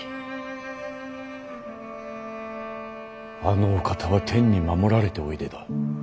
あのお方は天に守られておいでだ。